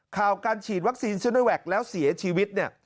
ข่าวการฉีดวัคซีนเชื้อด้วยแว็กซ์แล้วเสียชีวิต